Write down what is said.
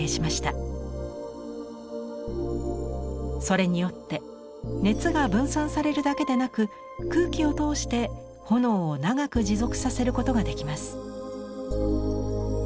それによって熱が分散されるだけでなく空気を通して炎を長く持続させることができます。